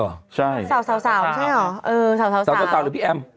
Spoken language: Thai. ใช่สาวใช่เหรอเออสาวสาวหรือพี่แอม